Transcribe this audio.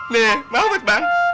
nih mahmud bang